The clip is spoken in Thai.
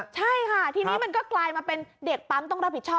ใช่ค่ะทีนี้มันก็กลายมาเป็นเด็กปั๊มต้องรับผิดชอบ